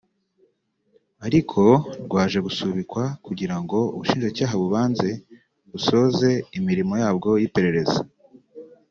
ariko rwaje gusubikwa kugira ngo Ubushinjacyaha bubanze busoze imirimo yabwo y’iperereza